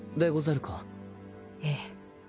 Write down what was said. ええ。